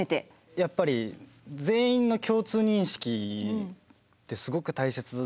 やっぱり全員の共通認識ってすごく大切だと思うんですよね。